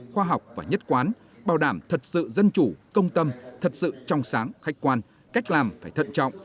khoa học và nhất quán bảo đảm thật sự dân chủ công tâm thật sự trong sáng khách quan cách làm phải thận trọng